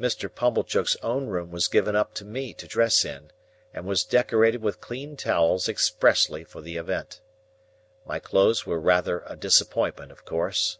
Mr. Pumblechook's own room was given up to me to dress in, and was decorated with clean towels expressly for the event. My clothes were rather a disappointment, of course.